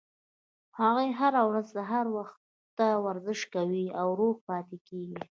هغوي هره ورځ سهار وخته ورزش کوي او روغ پاتې کیږي